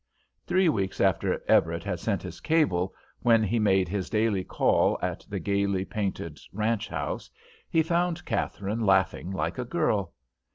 Three weeks after Everett had sent his cable, when he made his daily call at the gaily painted ranch house, he found Katharine laughing like a girl.